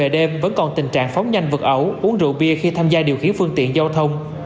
giao thông về đêm vẫn còn tình trạng phóng nhanh vượt ẩu uống rượu bia khi tham gia điều khiển phương tiện giao thông